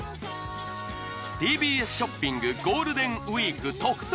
ＴＢＳショッピングゴールデンウイーク得々！